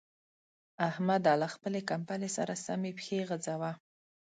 احمده! له خپلې کمبلې سره سمې پښې غځوه.